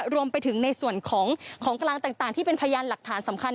รวมไปถึงในส่วนของของกลางต่างที่เป็นพยานหลักฐานสำคัญ